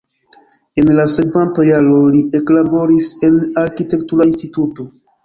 En la sekvanta jaro li eklaboris en arkitektura instituto.